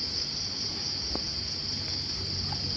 ต้องผ่านโดยสำคัญ